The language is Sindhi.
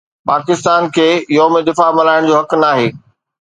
پاڪستان کي يوم دفاع ملهائڻ جو حق ناهي